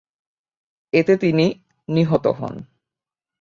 এতে তিনি নিহত হন।